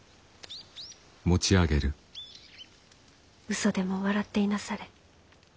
嘘でも笑っていなされ。